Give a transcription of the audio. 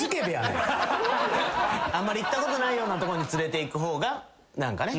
あんまり行ったことないようなとこに連れていく方が何かね。